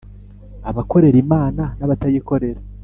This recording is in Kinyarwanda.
abakorera Imana n’abatayikorera.